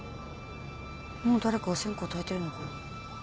もう誰かお線香たいてるのかな？